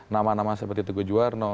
nama nama seperti teguh juwarno